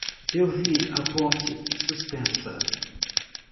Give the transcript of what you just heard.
Eu vi a ponte suspensa.